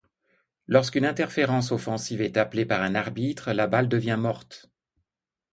Lorsqu'une interférence offensive est appelée par un arbitre, la balle devient morte.